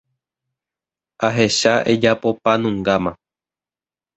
Ahecha ejapopanungáma.